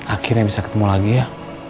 akhirnya bisa ketemu lagi ya